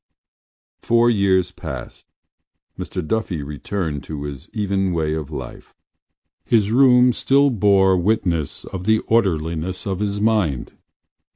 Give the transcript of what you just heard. Four years passed. Mr Duffy returned to his even way of life. His room still bore witness of the orderliness of his mind.